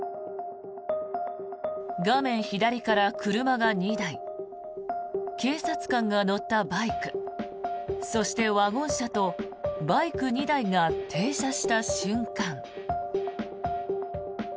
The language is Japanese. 画面左から車が２台警察官が乗ったバイクそして、ワゴン車とバイク２台が停車した瞬間。